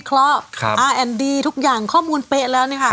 โปรดติดตามต่อไป